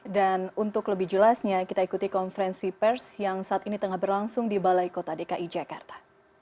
dan untuk lebih jelasnya kita ikuti konferensi pers yang saat ini tengah berlangsung di balai kota dki jakarta